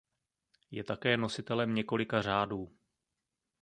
Je také nositelem několika řádů.